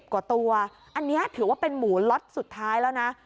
กว่าตัวอันนี้ถือว่าเป็นหมูล็อตสุดท้ายแล้วนะ